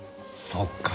そっか。